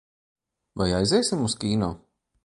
Vai aiziesim uz kīno?